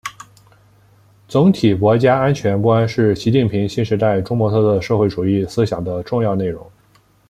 总体国家安全观是习近平新时代中国特色社会主义思想的重要内容